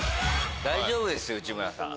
大丈夫ですよ内村さん